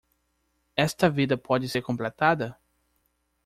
Esta vida pode ser completada?